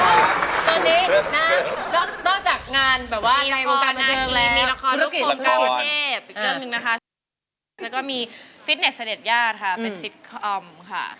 หนึ่งนะคะแล้วก็มีฟิตเนสเศรษฐ์ย่านครับเป็นซิสคอมค่ะ